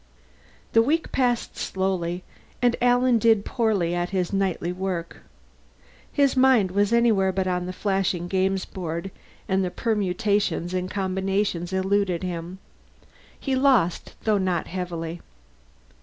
The week passed slowly, and Alan did poorly at his nightly work. His mind was anywhere but on the flashing games board, and the permutations and combinations eluded him. He lost, though not heavily.